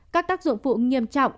các tác dụng vụ nghiêm trọng